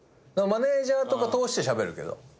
マネジャーとか通してしゃべるけど。